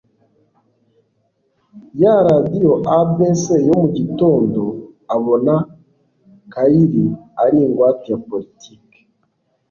ya Radiyo ABC yo mu gitondo Abona Kylie ari ingwate ya politiki